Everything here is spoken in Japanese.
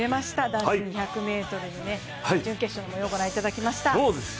男子２００ｍ準決勝を御覧いただきました。